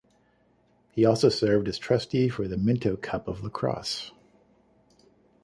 He also served as trustee for the Minto Cup of lacrosse.